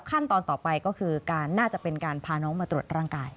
ขั้นตอนต่อไปก็คือการน่าจะเป็นการพาน้องมาตรวจร่างกาย